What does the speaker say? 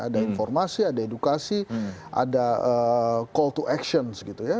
ada informasi ada edukasi ada call to actions gitu ya